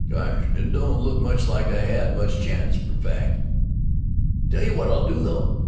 "Gosh! it don't look much like I had much chance, for a fact." "Tell you what I'll do, though.